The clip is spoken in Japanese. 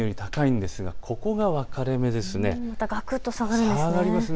またがくっと下がるんですね。